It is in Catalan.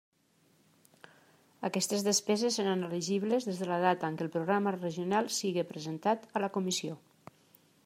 Aquestes despeses seran elegibles des de la data en què el programa regional siga presentat a la Comissió.